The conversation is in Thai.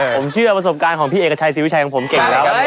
ผมเชื่อประสบการณ์ของพี่เอกชัยศรีวิชัยของผมเก่งแล้ว